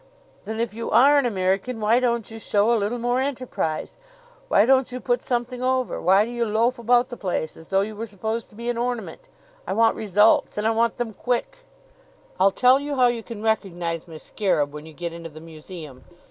"Then if you are an American why don't you show a little more enterprise? Why don't you put something over? Why do you loaf about the place as though you were supposed to be an ornament? I want results and I want them quick! "I'll tell you how you can recognize my scarab when you get into the museum.